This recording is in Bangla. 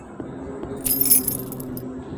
আমরা এখন যে কোনো মুহূর্তে অবতরণ করা শুরু করতে যাচ্ছি।